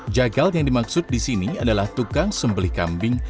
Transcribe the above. jagal yang dimaksud di sini adalah tukang sembelih kambing